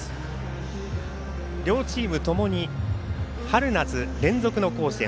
両チームともに春夏連続の甲子園。